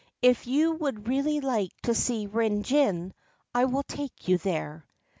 If you would really like to see Rin Gin, I will take you there.'